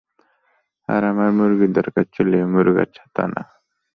আর আমার মুরগির দরকার ছিল, এই মুর্গার ছাতা না।